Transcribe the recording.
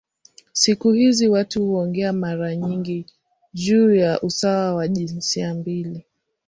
Siku hizi watu huongea mara nyingi juu ya usawa wa jinsia mbili.